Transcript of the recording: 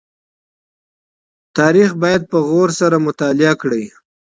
تاريخ بايد په دقت سره مطالعه کړئ.